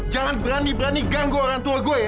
jangan berani berani ganggu orang tua gue